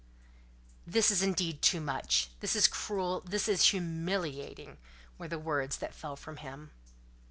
"This is indeed too much: this is cruel, this is humiliating," were the words that fell from him.